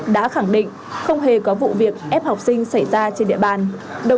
đã khẳng định không hề có vụ việc ép học sinh xảy ra trên địa bàn